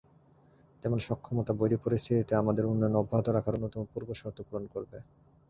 তেমন সক্ষমতা বৈরী পরিস্থিতিতে আমাদের উন্নয়ন অব্যাহত রাখার অন্যতম পূর্বশর্ত পূরণ করবে।